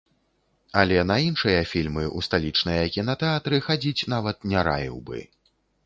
Але на іншыя фільмы ў сталічныя кінатэатры хадзіць нават не раіў бы.